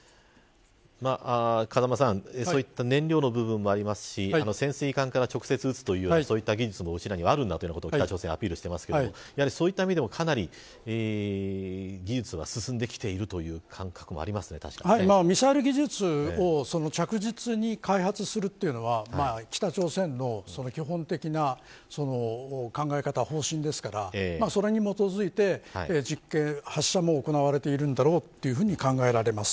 風間さん、そういった燃料の部分もありますし潜水艦から直接撃つ技術があると北朝鮮がアピールしていますがそういった意味でもかなり技術が進んできているミサイル技術を着実に開発するというのは北朝鮮の基本的な考え方、方針ですからそれに基づいて発射も行われていると考えられます。